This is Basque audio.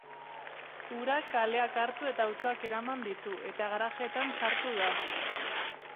Urak kaleak hartu eta autoak eraman ditu, eta garajeetan sartu da.